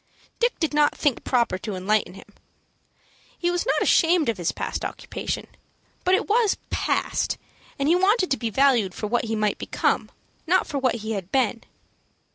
Dick did not think proper to enlighten him. He was not ashamed of his past occupation; but it was past, and he wanted to be valued for what he might become, not for what he had been.